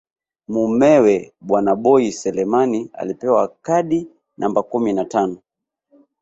Mumewe bwana Boi Selemani alipewa kadi namba kumi na tano